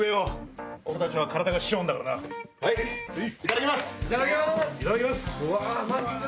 はいいただきます！